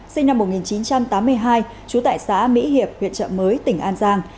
sinh năm một nghìn chín trăm tám mươi hai trú tại xã mỹ hiệp huyện trợ mới tỉnh an giang